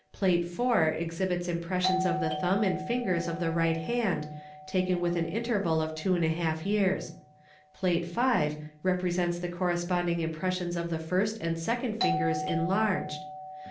Plate IV exhibits impressions of the thumb and fingers of the right hand take: with an interval of 24 years. Plate V. represents the correspondin impressions of the first and second fingers enlarged.